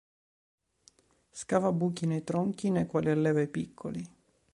Scava buchi nei tronchi nei quali alleva i piccoli.